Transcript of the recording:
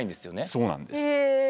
そうなんです。